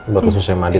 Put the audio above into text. bukan khususnya mandi